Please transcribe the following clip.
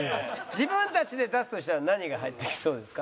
自分たちで出すとしたら何が入ってきそうですか？